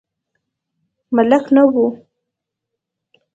ملک نه و.